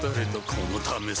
このためさ